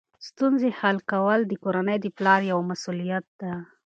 ستونزې حل کول د کورنۍ د پلار یوه مسؤلیت ده.